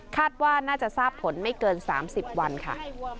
ว่าน่าจะทราบผลไม่เกิน๓๐วันค่ะ